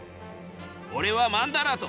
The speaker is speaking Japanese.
おれはマンダラート。